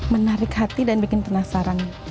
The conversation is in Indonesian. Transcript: menarik hati dan bikin penasaran